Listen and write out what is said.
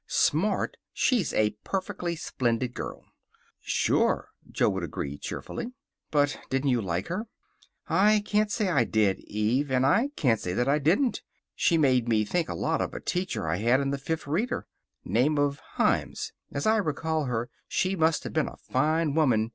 "Smart! She's a perfectly splendid girl." "Sure," Jo would agree cheerfully. "But didn't you like her?" "I can't say I did, Eve. And I can't say I didn't. She made me think a lot of a teacher I had in the fifth reader. Name of Himes. As I recall her, she must have been a fine woman.